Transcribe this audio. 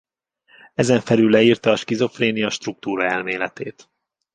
Ezen felül leírta a skizofrénia struktúra-elméletét.